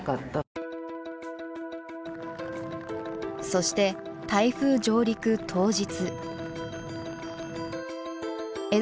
そして台風上陸当日。